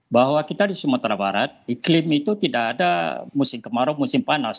bahwa kita di sumatera barat iklim itu tidak ada musim kemarau musim panas